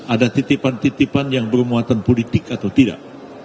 ada titipan titipan yang bermuatan politik atau tidak